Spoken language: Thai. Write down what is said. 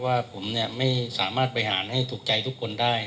ว่าผมไม่สามารถบริหารให้ถูกใจทุกคนได้